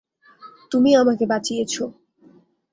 তুমি আমাকে বাঁচিয়েছো।